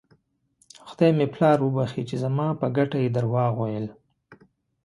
خدای مې پلار وبښي چې زما په ګټه یې درواغ ویل.